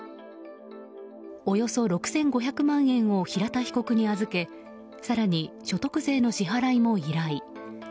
およそ６５００万円を平田被告に預け更に所得税の支払いも依頼。